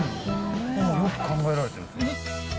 よく考えられてるんですよ。